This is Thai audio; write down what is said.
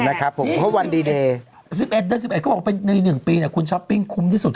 นะครับผมเพราะวันดีเดย์๑๑เดือน๑๑ก็เป็น๑ปีคุณช้อปปิ้งคุ้มที่สุด